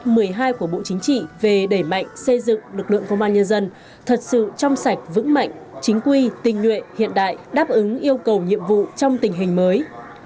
điều một mươi hai của bộ chính trị về đẩy mạnh xây dựng lực lượng công an nhân dân thật sự trong sạch vững mạnh chính quy tình nguyện hiện đại đáp ứng yêu cầu nhiệm vụ trong tình hình mới